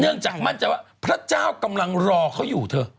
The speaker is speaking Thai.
เนื่องจากมั่นใจว่าพระเจ้ากำลังรอเขาอยู่เถอะ